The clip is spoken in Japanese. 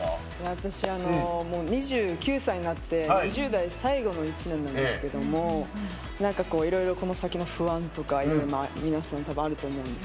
私、２９歳になって２０代最後の一年なんですけどいろいろこの先の不安とか皆さんあると思うんです